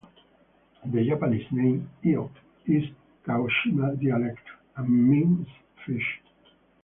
The Japanese name "Io" is Kagoshima dialect and means fish.